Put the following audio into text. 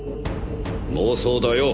妄想だよ。